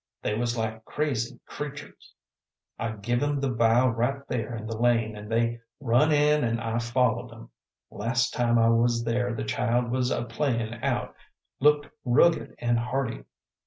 They was like crazy creatur's; I give 'em the vial right there in the lane, an' they run in an' I followed 'em. Last time I was there the child was a playin' out; looked rugged and hearty.